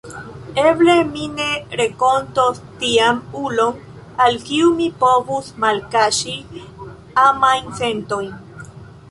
Eble mi ne renkontos tian ulon, al kiu mi povus malkaŝi amajn sentojn.